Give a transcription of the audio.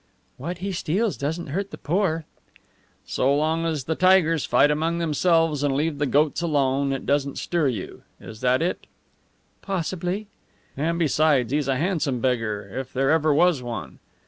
"What he steals doesn't hurt the poor." "So long as the tigers fight among themselves and leave the goats alone, it doesn't stir you. Is that it?" "Possibly." "And besides, he's a handsome beggar, if there ever was one."